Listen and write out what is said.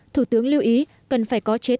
thủ tướng lưu ý cần phải có chế tạo